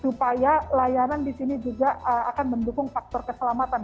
supaya layanan di sini juga akan mendukung faktor keselamatan